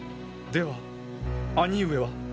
では兄上は？